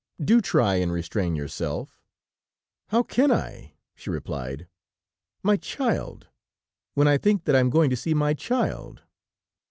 Do try and restrain yourself." "How can I?" she replied. "My child! When I think that I am going to see my child!"